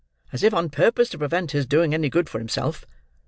As if on purpose to prevent his doing any good for himself!